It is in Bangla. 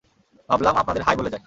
ভাবলাম আপনাদের হাই বলে যাই।